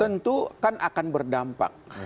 tentu kan akan berdampak